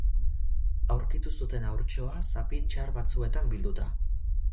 Aurkitu zuten Haurtxoa zapi txar batzuetan bilduta.